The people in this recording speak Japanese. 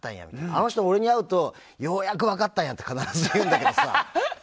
あの人、俺に会うとようやく分かったんやって必ず言うんだけど。